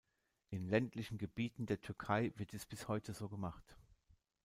In ländlichen Gebieten der Türkei wird dies bis heute so gemacht.